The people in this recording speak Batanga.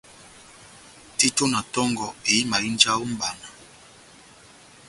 Tito na tongɔ éhimahínja ó mʼbana